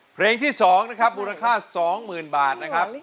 เพลงที่สองนะครับบูรณาค่า๒๐๐๐๐บาทนะครับ